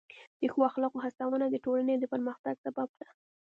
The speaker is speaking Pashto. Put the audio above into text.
د ښو اخلاقو هڅونه د ټولنې د پرمختګ سبب ده.